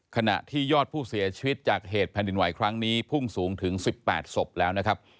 ขณะที่ยอดผู้เสียชีวิตจากเหตุแผ่นดินไหวครั้งนี้พุ่งสูงถึง๑๘ศพแล้วนะครับ